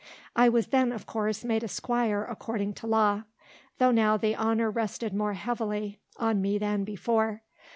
I was then, of course, made a squire according to law; though now the honour rested more heavily on me than before.